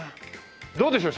どうでしょう？